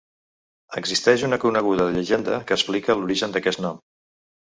Existeix una coneguda llegenda que explica l'origen d'aquest nom.